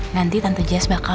nanti tante jess bakal